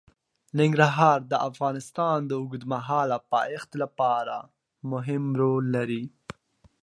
ننګرهار د افغانستان د اوږدمهاله پایښت لپاره مهم رول لري.